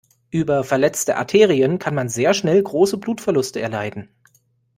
Über verletzte Arterien kann man sehr schnell große Blutverluste erleiden.